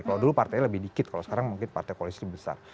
kalau dulu partainya lebih dikit kalau sekarang mungkin partai koalisi besar